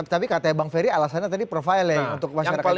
tapi katanya bang ferry alasannya tadi profiling untuk masyarakat indonesia